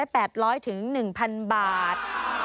เอาไปขายกิโลกรัมละ๘๐๐๑๐๐๐บาท